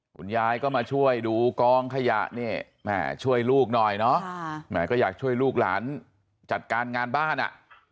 คุณยายก็มาช่วยดูกองขยะนี่แม่ช่วยลูกหน่อยเนาะแม่ก็อยากช่วยลูกหลานจัดการงานบ้านอ่ะ